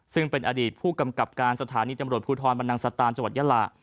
ซึ่งเป็นอดีตผู้กำกับการสถานีตำรวจภูทรบรรนังสตานจังหวัดยาลา